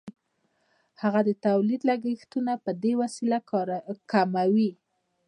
هغه د تولید لګښتونه په دې وسیله کموي